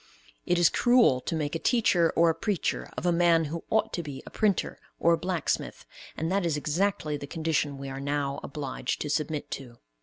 It is cruel to make a teacher or a preacher of a man who ought to be a printer or a blacksmith, and that is exactly the condition we are now obliged to submit to.